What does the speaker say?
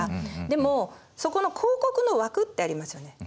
でもそこの広告の枠ってありますよね。